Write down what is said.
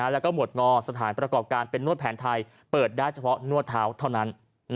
แล้วก็หวดงอสถานประกอบการเป็นนวดแผนไทยเปิดได้เฉพาะนวดเท้าเท่านั้น